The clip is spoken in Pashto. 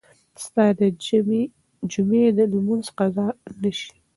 ستا د جمعې لمونځ قضا نه شي.